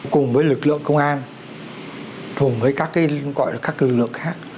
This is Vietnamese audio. cùng với lực lượng công an cùng với các lực lượng khác